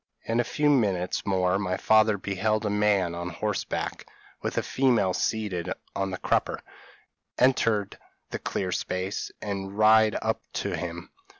In a few minutes more my father beheld a man on horseback, with a female seated on the crupper, enter the cleared space, and ride up to him.